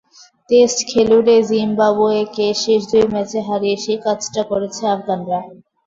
Test খেলুড়ে জিম্বাবুয়েকে শেষ দুই ম্যাচে হারিয়ে সেই কাজটা করেছে আফগানরা।